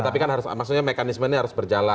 tapi kan harus maksudnya mekanisme ini harus berjalan